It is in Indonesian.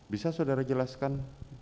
bisa saudara jelaskan